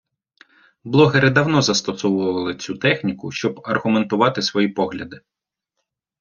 Блогери давно застосовували цю техніку, щоб аргументувати свої погляди.